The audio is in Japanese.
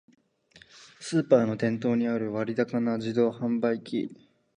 スーパーの店頭にある割高な自動販売機